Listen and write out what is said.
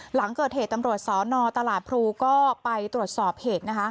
หลังเกิดเหตุตำรวจสนตลาดพลูก็ไปตรวจสอบเหตุนะคะ